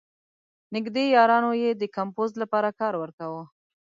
نېږدې یارانو یې د کمپوز لپاره کار ورکاوه.